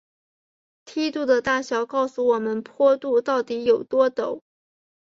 梯度的大小告诉我们坡度到底有多陡。